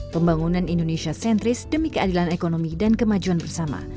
pembangunan indonesia sentris demi keadilan ekonomi dan kemajuan bersama